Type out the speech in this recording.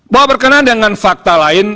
bahwa berkenaan dengan fakta lain